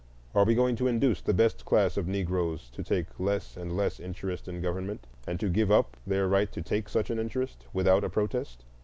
Are we going to induce the best class of Negroes to take less and less interest in government, and to give up their right to take such an interest, without a protest?